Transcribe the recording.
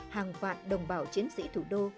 hàng vạn đồng bào chiến sĩ thủ đô